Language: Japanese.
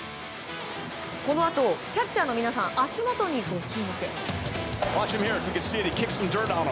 このあと、皆さんキャッチャーの足元にご注目。